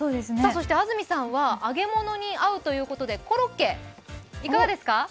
安住さんは揚げ物に合うということでコロッケ、いかがですか？